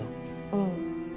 うん。